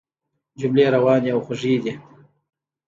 جملې روانې او خوږې دي.